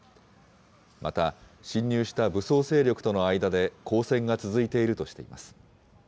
また、侵入した武装勢力との間で交戦が続いているとしています。